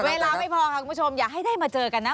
เวลาไม่พอค่ะคุณผู้ชมอย่าให้ได้มาเจอกันนะ